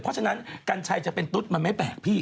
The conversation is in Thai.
เพราะฉะนั้นกัญชัยจะเป็นตุ๊ดมันไม่แปลกพี่